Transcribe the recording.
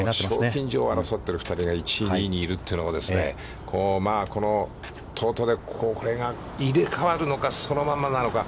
賞金女王を争っている２人が１位、２位にいるというのも、このＴＯＴＯでこれが入れかわるのかそのままなのか。